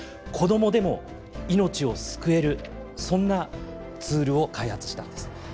子どもでも命を救えるそんなツールを開発したんです。